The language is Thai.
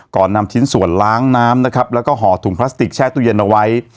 นำชิ้นส่วนล้างน้ำนะครับแล้วก็ห่อถุงพลาสติกแช่ตู้เย็นเอาไว้